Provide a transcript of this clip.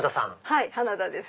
はい花田です。